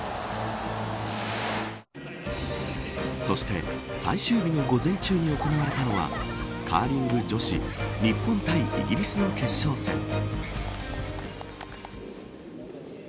そして、最終日の午前中に行われたのはカーリング女子日本対イギリスの決勝戦。